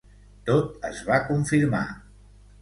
Tot es va confirmar.